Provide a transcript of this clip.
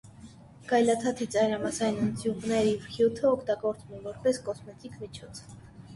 Գայլաթաթի ծայրամասային ընձյուղների հյութը օգտագործվում է որպես կոսմետիկ, միջոց։